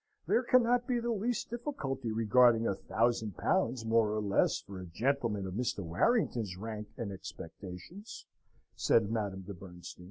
"There cannot be the least difficulty regarding a thousand pounds more or less, for a gentleman of Mr. Warrington's rank and expectations," said Madame de Bernstein.